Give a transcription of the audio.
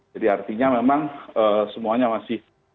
jadi artinya memang semuanya masih